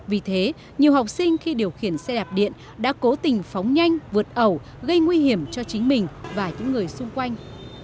vì thế nhiều học sinh khi điều khiển xe đạp điện đã cố tình phóng nhanh vượt ẩu gây nguy hiểm cho chính mình và những người xung quanh